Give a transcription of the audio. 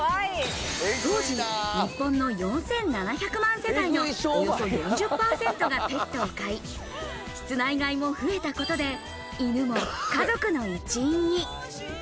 当時、日本の４７００万世帯のおよそ４０％がペットを飼い、室内飼いも増えたことで、犬も家族の一員に。